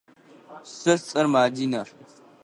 Сэ сцӏэр Мадинэ.